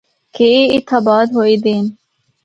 کہ اے اِتّھا آباد ہوئے دے ہن۔